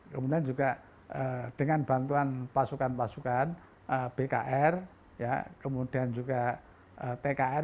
kemudian juga dengan bantuan pasukan pasukan bkr kemudian juga tkr